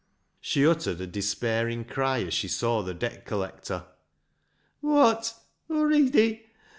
She uttered a despairing cry as she saw the debt collector. " Wot ! Awready